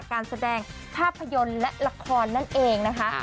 การแสดงภาพยนตร์และละครนั่นเองนะคะ